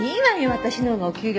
私のほうがお給料。